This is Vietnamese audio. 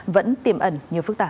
vẫn tiềm ẩn nhiều phức tạp